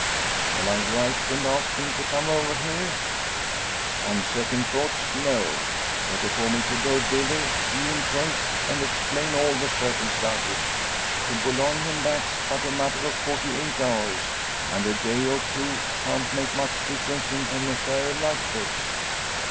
"Shall I write and ask him to come over here. On second thoughts, No! Better for me to go thither; see him first, and explain all the circumstances. To Boulogne and back's but a matter of forty eight hours, and a day or two can't make much difference in an affair like this.